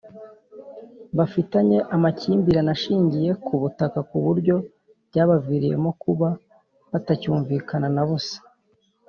bafitanye amakimbirane ashingiye ku butaka ku buryo byabaviriyemo kuba batacyumvikana na busa.